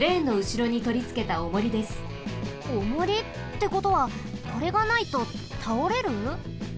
おもり？ってことはこれがないとたおれる？